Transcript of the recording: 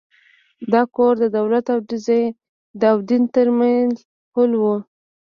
دا کور د دولت او دین تر منځ پُل و.